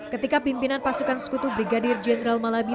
ketika pimpinan pasukan sekutu brigadir jenderal malabi